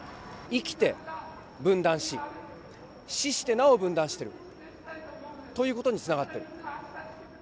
生きて分断し、死してなお分断してるということにつながっている。